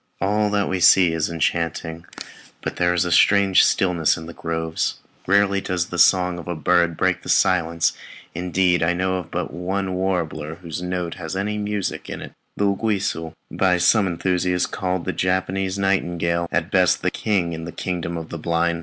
All that we see is enchanting, but there is a strange stillness in the groves; rarely does the song of a bird break the silence; indeed, I know but one warbler whose note has any music in it, the uguisu, by some enthusiasts called the Japanese nightingale at best, a king in the kingdom of the blind.